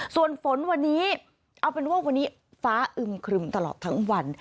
ส่วนฝนวันนี้เอาเป็นว่าวันนี้ฟ้าอึมครึมตลอดทั้งวัน